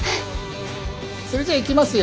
それじゃあいきますよ。